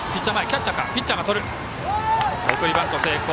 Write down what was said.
送りバント成功。